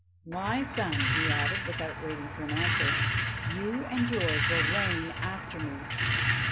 'My son,' he added, without waiting for an answer, 'you and yours will reign after me.